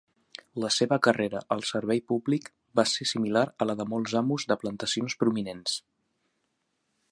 La seva carrera al servei públic va ser similar a la de molts amos de plantacions prominents.